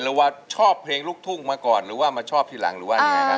หรือว่าชอบเพลงลูกทุ่งมาก่อนหรือว่ามาชอบทีหลังหรือว่ายังไงครับ